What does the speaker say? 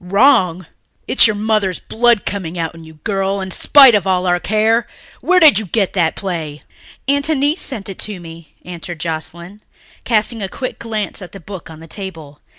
"Wrong! It's your mother's blood coming out in you, girl, in spite of all our care! Where did you get that play?" "Aunt Annice sent it to me," answered Joscelyn, casting a quick glance at the book on the table.